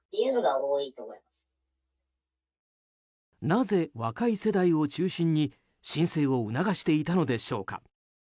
なぜ若い世代を中心に申請を促していたのでしょうか。